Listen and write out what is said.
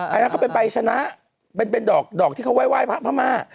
อันนั้นเขาเป็นใบชนะเป็นดอกที่เขาไว้ไหว้พระพม่า